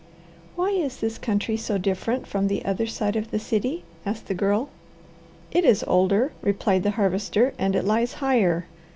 "Why is this country so different from the other side of the city?" asked the Girl. "It is older," replied the Harvester, "and it lies higher.